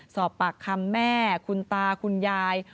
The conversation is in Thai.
สอบปากคำแม่คุณตาคุณยาย